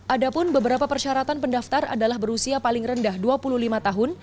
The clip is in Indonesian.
ada pun beberapa persyaratan pendaftar adalah berusia paling rendah dua puluh lima tahun